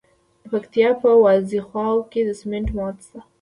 د پکتیکا په وازیخوا کې د سمنټو مواد شته.